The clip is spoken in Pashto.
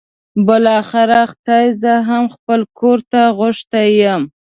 بالاخره خدای زه هم خپل کور ته غوښتی یم.